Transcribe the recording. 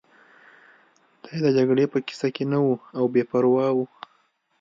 دی د جګړې په کیسه کې نه و او بې پروا و